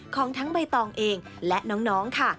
ของทั้งใบตองเองและน้องค่ะ